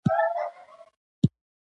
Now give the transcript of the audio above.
او داسې فکر کېده چې دا تحریک خفه کړی شو.